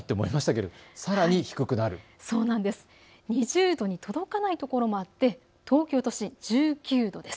２０度に届かないところもあって東京都心１９度です。